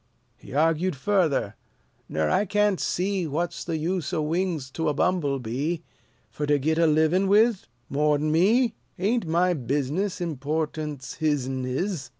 He argued further, "Nur I can't see What's the use o' wings to a bumble bee, Fur to git a livin' with, more'n to me; Ain't my business Important's his'n is?